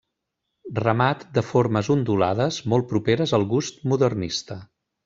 Remat de formes ondulades molt properes al gust modernista.